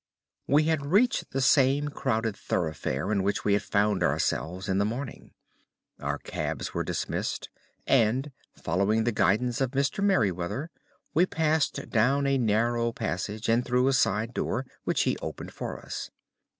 We had reached the same crowded thoroughfare in which we had found ourselves in the morning. Our cabs were dismissed, and, following the guidance of Mr. Merryweather, we passed down a narrow passage and through a side door, which he opened for us.